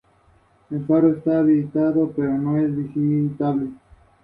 Está situado en el valle del Río Alfambra.